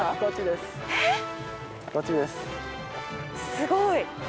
すごい。